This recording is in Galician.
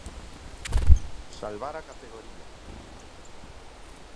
Salvar a categoría.